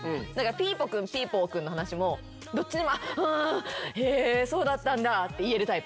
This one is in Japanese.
ピーポーくんの話もどっちにもへぇそうだったんだって言えるタイプ。